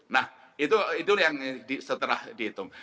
nah itu yang setelah dihitung